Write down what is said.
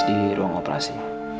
di ruang operasi